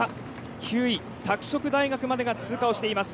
９位、拓殖大学までが通過をしています。